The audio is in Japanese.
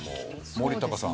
森高さん。